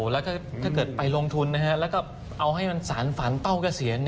แล้วถ้าเกิดไปลงทุนแล้วเอาให้มันสารฝันเต้ากระเสียน